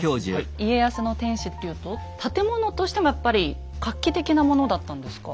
家康の天守っていうと建物としてもやっぱり画期的なものだったんですか？